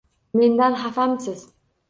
Mendan xafamisiz?